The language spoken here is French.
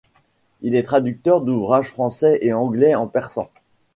Il est traducteur d‘ouvrages français et anglais en persan.